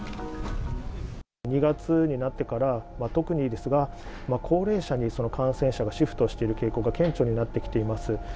２月になってから、特にですが、高齢者に感染者がシフトしている傾向が顕著になってきています。